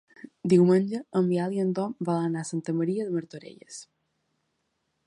Diumenge en Biel i en Tom volen anar a Santa Maria de Martorelles.